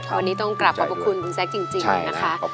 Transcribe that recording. วันนี้ต้องกลับขอบคุณคุณแซคจริงนะคะ